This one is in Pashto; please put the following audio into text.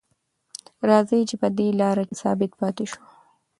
راځئ چې په دې لاره کې ثابت پاتې شو.